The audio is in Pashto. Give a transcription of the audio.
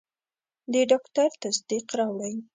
د ډاکټر تصدیق راوړئ.